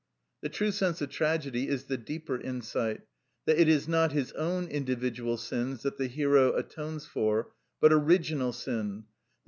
The true sense of tragedy is the deeper insight, that it is not his own individual sins that the hero atones for, but original sin, _i.